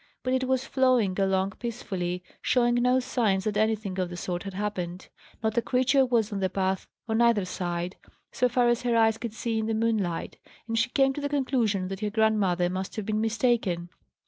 But it was flowing along peacefully, showing no signs that anything of the sort had happened. Not a creature was on the path on either side, so far as her eyes could see in the moonlight; and she came to the conclusion that her grandmother must have been mistaken.